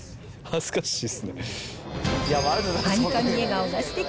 恥ずかしいっすね。